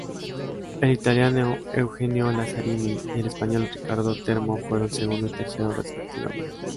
El italiano Eugenio Lazzarini y el español Ricardo Tormo fueron segundo y tercero respectivamente.